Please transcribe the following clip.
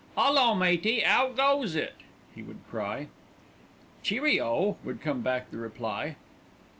"'Ullo, matey, 'ow goes it?" he would cry. "Cheerio!" would come back the reply.